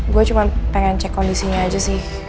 gue cuma pengen cek kondisinya aja sih